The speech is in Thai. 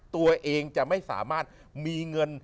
ตัวเองจะไม่สามารถมีเงิน